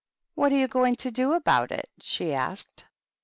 "What are you going to do about it?^' she asked.